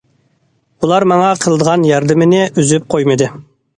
ئۇلار ماڭا قىلىدىغان ياردىمىنى ئۈزۈپ قويمىدى.